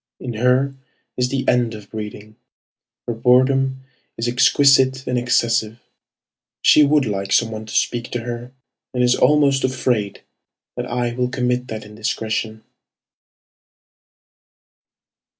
In her is the end of breeding. Her boredom is exquisite and excessive. She would like some one to speak to her, And is almost afraid that I will commit that indiscretion.